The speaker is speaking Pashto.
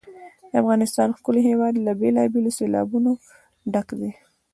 د افغانستان ښکلی هېواد له بېلابېلو سیلابونو ډک دی.